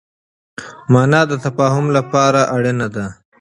مانا د تفاهم لپاره اړينه ده.